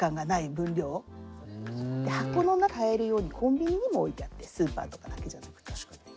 なので少し買えるようにコンビニにも置いてあってスーパーとかだけじゃなくて。